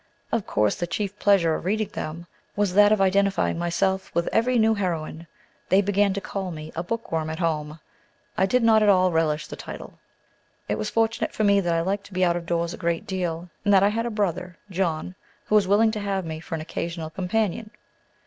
Of course, the chief pleasure of reading them was that of identifying myself with every new heroine. They began to call me a "bookworm" at home. I did not at all relish the title. It was fortunate for me that I liked to be out of doors a great deal, and that I had a brother, John, who was willing to have me for an occasional companion.